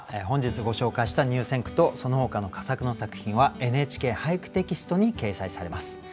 本日ご紹介した入選句とそのほかの佳作の作品は「ＮＨＫ俳句」テキストに掲載されます。